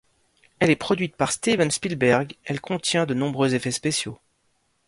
Elle est produite par Steven Spielberg, elle contient de nombreux effets spéciaux.